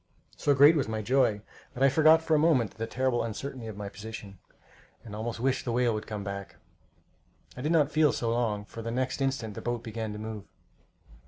So great was my joy that I forgot for the moment the terrible uncertainty of my position, and almost wished the whale would come back. I did not feel so long, for the next instant the boat began to move.